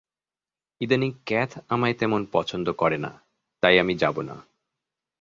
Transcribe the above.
ইদানীং ক্যাথ আমায় তেমন পছন্দ করে না, তাই আমি যাবো না।